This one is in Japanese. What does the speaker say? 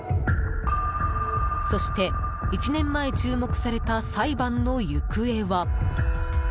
そして１年前注目された裁判の行方は。